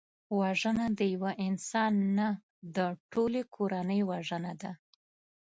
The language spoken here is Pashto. وژنه د یو انسان نه، د ټولي کورنۍ وژنه ده